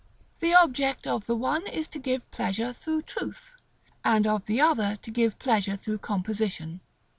The object of the one is to give pleasure through truth, and of the other to give pleasure through composition.